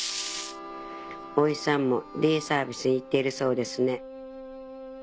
おいさんもデイサービスに行っているそうですね。